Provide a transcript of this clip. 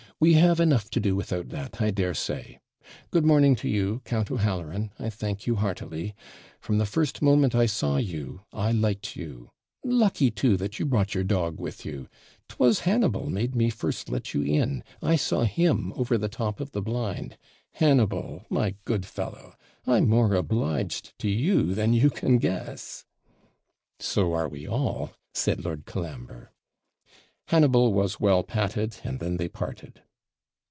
we have enough to do without that, I daresay. Good morning to you, Count O'Halloran! I thank you heartily. From the first moment I saw you, I liked you; lucky too that you brought your dog with you! 'Twas Hannibal made me first let you in; I saw him over the top of the blind. Hannibal, my good fellow! I'm more obliged to you than you can guess.' 'So are we all,' said Lord Colambre. Hannibal was well patted, and then they parted.